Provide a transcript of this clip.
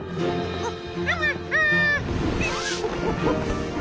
あっ！